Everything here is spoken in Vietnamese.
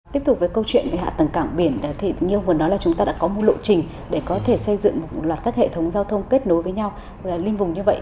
tiếp tục với câu chuyện về hạ tầng cảng biển thì như ông vừa nói là chúng ta đã có một lộ trình để có thể xây dựng một loạt các hệ thống giao thông kết nối với nhau lên vùng như vậy